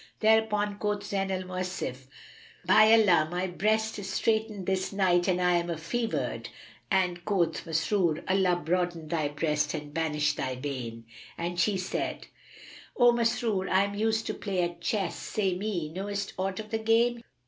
Thereupon quoth Zayn al Mawasif, "By Allah, my breast is straitened this night and I am afevered;" and quoth Masrur, "Allah broaden thy breast and banish thy bane!" Then she said, "O Masrur, I am used to play at chess: say me, knowest aught of the game?"